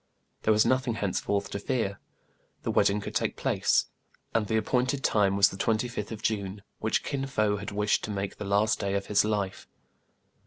There was nothing henceforth to fear. The wedding could take place ; and the appointed time was the 25th of June, which Kin Fo had wished to make the last day of his life.